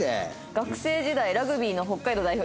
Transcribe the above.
学生時代ラグビーの北海道代表。